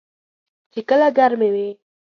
چې کله ګرمې وي .